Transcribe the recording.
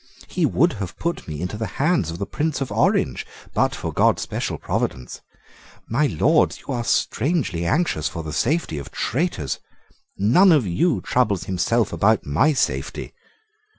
He would have put me into the hands of the Prince of Orange, but for God's special providence. My Lords, you are strangely anxious for the safety of traitors. None of you troubles himself about my safety."